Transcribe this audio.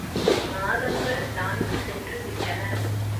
மாதங்கள் நான்கு சென்றுவிட்டன!